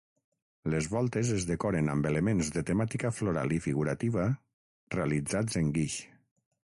Les voltes es decoren amb elements de temàtica floral i figurativa, realitzats en guix.